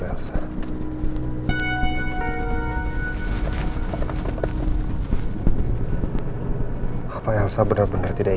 kenapa elsa belum ngabarin juga ya